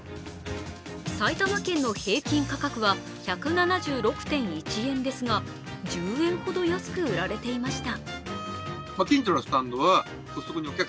埼玉県の平均価格は１７６．１円ですが１０円ほど安く売られていました。